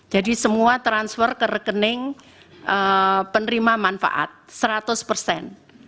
semua transfer ke rekening penerima manfaat seratus persen